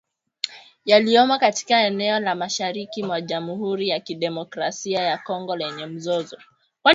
Yaliyopo katika eneo la mashariki mwa Jamuhuri ya Kidemokrasia ya Kongo lenye mzozo